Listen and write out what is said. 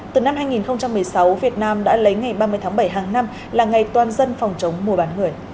từ năm hai nghìn một mươi sáu việt nam đã lấy ngày ba mươi tháng bảy hàng năm là ngày toàn dân phòng chống mua bán người